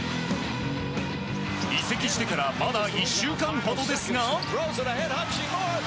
移籍してからまだ１週間ほどですが。